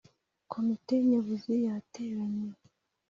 Komite Nyobozi yateranye